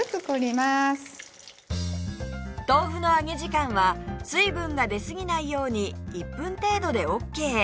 豆腐の揚げ時間は水分が出すぎないように１分程度でオーケー